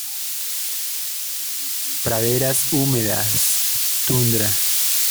Praderas húmedas, tundra.